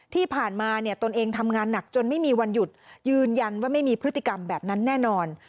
ที่ผ่านมาเนี่ยตนเองทำงานหนักจนไม่มีวันหยุดยืนยันว่าไม่มีพฤติกรรมแบบนั้นแน่นอน